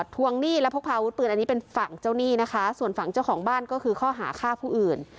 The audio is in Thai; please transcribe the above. ทวงหนี้และพกพาอาวุธปืนอันนี้เป็นฝั่งเจ้าหนี้นะคะส่วนฝั่งเจ้าของบ้านก็คือข้อหาฆ่าผู้อื่น